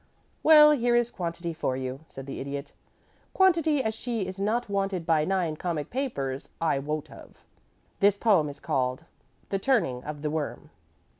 "Well, here is quantity for you," said the Idiot. "Quantity as she is not wanted by nine comic papers I wot of. This poem is called: "THE TURNING OF THE WORM.